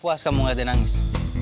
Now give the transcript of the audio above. puas kamu gak ada nangis